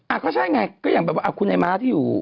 ก็ใช่ไงก็อย่างแบบว่าคุณไอ้ม้าที่อยู่